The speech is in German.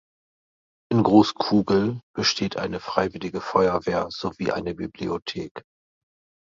In Großkugel besteht eine Freiwillige Feuerwehr sowie eine Bibliothek.